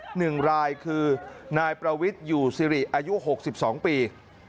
หนึ่งรายคือนายประวิทธิ์อยู่ซีรีส์อายุ๖๒ปี